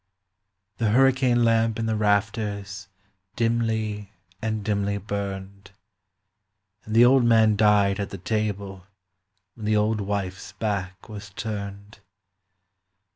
The hurricane lamp in the rafters dimly and dimly burned; And the old man died at the table when the old wife's back was turned.